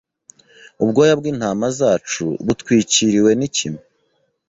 Ubwoya bwintama zacu butwikiriwe nikime